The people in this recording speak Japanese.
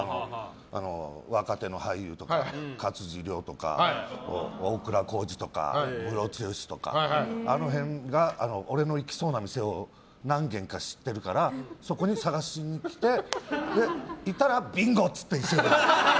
若手の俳優、勝地涼とか大倉孝二とか、ムロツヨシとかあの辺が俺の行きそうな店を何軒か知ってるからそこに捜しに来てで、いたらビンゴ！って一緒に飲む。